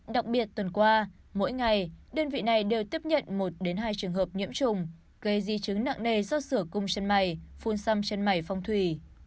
đặc biệt tuần qua mỗi ngày đơn vị này đều tiếp nhận một hai trường hợp nhiễm trùng gây di chứng nặng nề do sửa cung sân mài phun xăm chân mày phong thủy